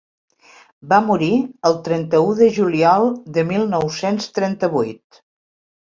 Va morir el trenta-u de juliol de mil nou-cents trenta-vuit.